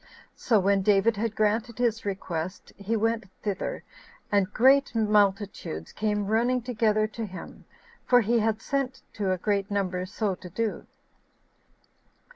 So when David had granted his request, he went thither, and great multitudes came running together to him, for he had sent to a great number so to do.